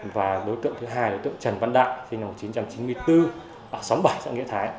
và đối tượng thứ hai đối tượng trần văn đạo sinh năm một nghìn chín trăm chín mươi bốn ở xóm bảy xã nghĩa thái